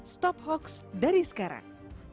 stop hoaks dari sekarang